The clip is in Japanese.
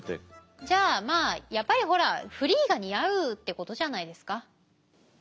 じゃあまあやっぱりほらフリーが似合うってことじゃないですか。